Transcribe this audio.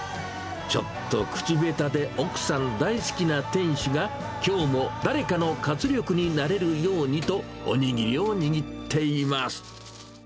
ちょっと口下手で奥さん大好きな店主が、きょうも誰かの活力になれるようにと、おにぎりを握っています。